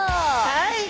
はい。